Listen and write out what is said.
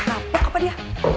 ngapain apa dia